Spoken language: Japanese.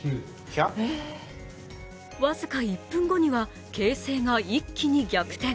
僅か１分後には形勢が一気に逆転。